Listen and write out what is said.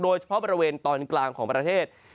โดยเฉพาะบริเวณตอนกลางของประเทศ